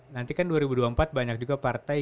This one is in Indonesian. nanti kan dua ribu dua puluh empat banyak juga partai